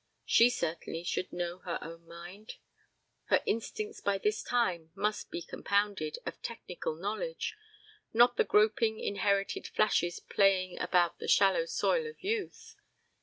She certainly should know her own mind. Her instincts by this time must be compounded of technical knowledge, not the groping inherited flashes playing about the shallow soil of youth.